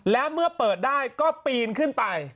และเมื่อเปิดได้ก็ปีนขึ้นไป